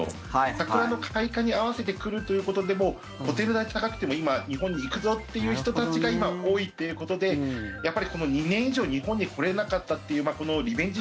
桜の開花に合わせて来るということでホテル代が高くても日本に行くぞという人たちが今、多いということでこの２年以上日本に来れなかったというリベンジ